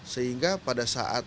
sehingga pada saat